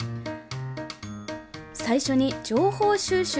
最初に情報収集。